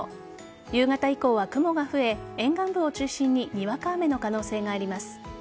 夕方以降は雲が増え沿岸部を中心ににわか雨の可能性があります。